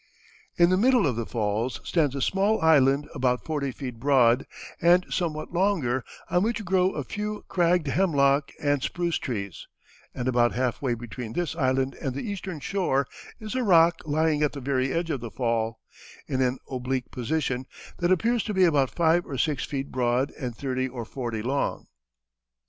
"In the middle of the Falls stands a small island about forty feet broad and somewhat longer, on which grow a few cragged hemlock and spruce trees; and about half way between this island and the eastern shore is a rock lying at the very edge of the Fall, in an oblique position, that appears to be about five or six feet broad and thirty or forty long."